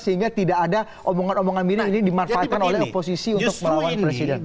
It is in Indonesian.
sehingga tidak ada omongan omongan miring ini dimanfaatkan oleh oposisi untuk melawan presiden